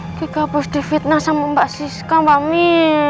geki ga abis di fitnah sama mbak siska mbak mir